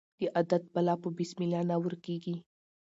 د عادت بلا په بسم الله نه ورکیږي.